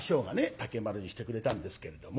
竹丸にしてくれたんですけれども。